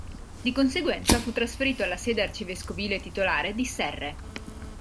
Di conseguenza fu trasferito alla sede arcivescovile titolare di Serre.